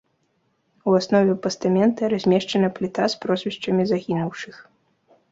У аснове пастамента размешчана пліта з прозвішчамі загінуўшых.